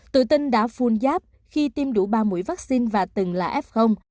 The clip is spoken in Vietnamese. tự tin đã phun giáp khi tiêm đủ ba mũi vaccine và từng là f